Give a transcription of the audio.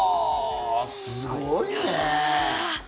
すごいね。